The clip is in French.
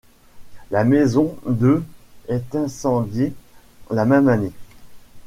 La maison de est incendiée la même année.